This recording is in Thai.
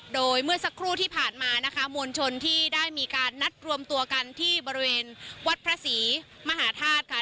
โดยเมื่อสักครู่ที่ผ่านมานะคะมวลชนที่ได้มีการนัดรวมตัวกันที่บริเวณวัดพระศรีมหาธาตุค่ะ